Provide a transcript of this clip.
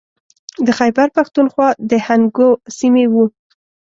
د خیبر پښتونخوا د هنګو سیمې و.